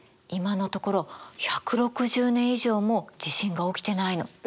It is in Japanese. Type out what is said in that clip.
今のところ１６０年以上も地震が起きてないの。